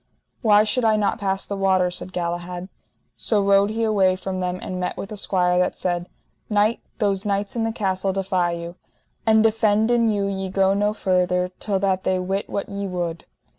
Why should I not pass the water? said Galahad. So rode he away from them and met with a squire that said: Knight, those knights in the castle defy you, and defenden you ye go no further till that they wit what ye would.